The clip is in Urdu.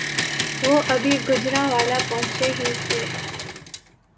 وہ ابھی گوجرانوالہ پہنچے ہی تھے